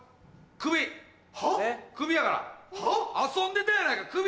クビやから遊んでたやないかクビ！